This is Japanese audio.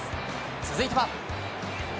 続いては。